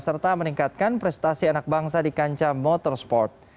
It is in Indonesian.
serta meningkatkan prestasi anak bangsa di kanca motorsport